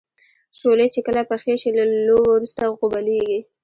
شولې چې کله پخې شي له لو وروسته غوبلیږي.